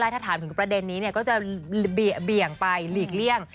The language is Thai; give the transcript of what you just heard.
ถ้าถามถึงประเด็นนี้ก็จะเบี่ยงไปหลีกเลี่ยง